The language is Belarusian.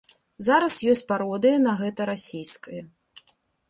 Зараз ёсць пародыя на гэта расійская.